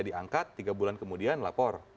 diangkat tiga bulan kemudian lapor